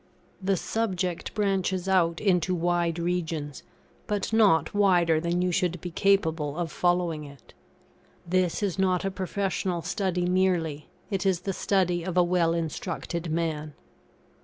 The subject branches out into wide regions, but not wider than you should be capable of following it. This is not a professional study merely; it is the study of a well instructed man.